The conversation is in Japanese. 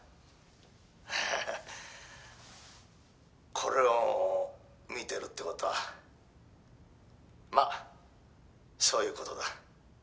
「これを見てるって事はまあそういう事だ」